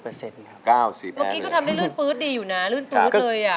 เมื่อกี้ก็ทำได้ลื่นปื๊ดดีอยู่นะลื่นปื๊ดเลย